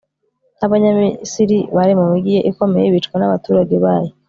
n'abanyamisiri bari mu migi ye ikomeye bicwa n'abaturage bayo